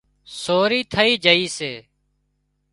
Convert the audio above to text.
سوري ٿئي جھئي سي